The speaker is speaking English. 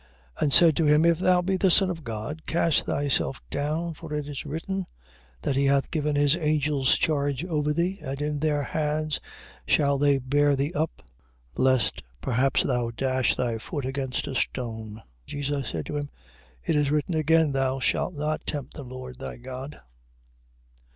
And said to him: If thou be the Son of God, cast thyself down, for it is written: That he hath given his angels charge over thee, and in their hands shall they bear thee up, lest perhaps thou dash thy foot against a stone. 4:7. Jesus said to him: It is written again: Thou shalt not tempt the Lord thy God.